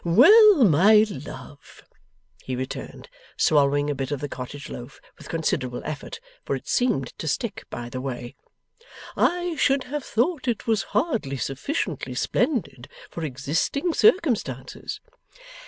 'Well, my love,' he returned, swallowing a bit of the cottage loaf with considerable effort, for it seemed to stick by the way: 'I should have thought it was hardly sufficiently splendid for existing circumstances.